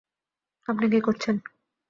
আপনি কি করছেন?